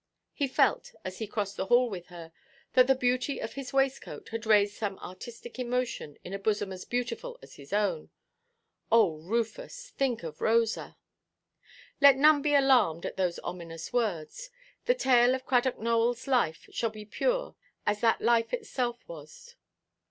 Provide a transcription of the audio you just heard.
He felt, as he crossed the hall with her, that the beauty of his waistcoat had raised some artistic emotion in a bosom as beautiful as its own. Oh, Rufus, think of Rosa! Let none be alarmed at those ominous words. The tale of Cradock Nowellʼs life shall be pure as that life itself was.